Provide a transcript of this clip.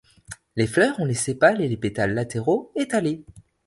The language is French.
Les fleurs ont les sépales et les pétales latéraux étalés.